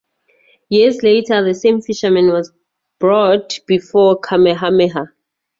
Years later, the same fisherman was brought before Kamehameha.